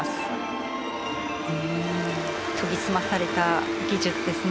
研ぎ澄まされた技術ですね。